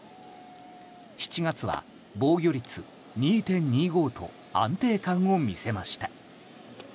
７月は防御率２．２５と安定感を見せました。